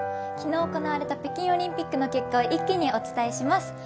昨日行われた北京オリンピックの結果を一気にお伝えします。